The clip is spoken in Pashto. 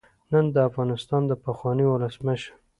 نن د افغانستان د پخواني ولسمشر